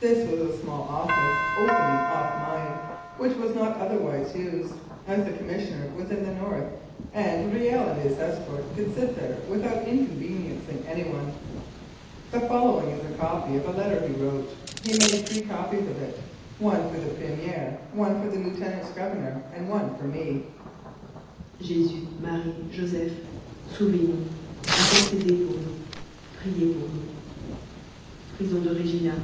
This was a small office opening off mine, which was not otherwise used, as the Commissioner was in the north, and Riel and his escort could sit there without inconveniencing anyone. The following is a copy of a letter he wrote; he made three copies of it one for the Premier, one for the Lieutenant Governor, and one for me : 1 86 Louis Kiel: Executed for Treason JES US : MARIE : JOSEPH : Sauvez nous : Intercedes pour nous : Priez pour nous : Prison de Regina.